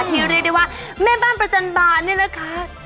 เรียกได้ว่าแม่บ้านประจันบาลเนี่ยนะคะ